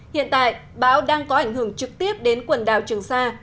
hiện tại bão đang có ảnh hưởng trực tiếp đến quần đảo trường sa